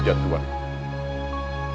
dia sangat memuja tuhan